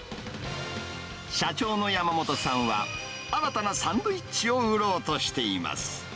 社長の山本さんは、新たなサンドイッチを売ろうとしています。